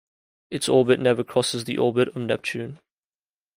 Its orbit never crosses the orbit of Neptune.